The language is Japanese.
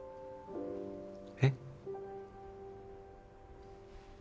えっ？